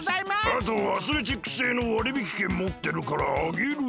あとアスレチック星のわりびきけんもってるからあげるよ。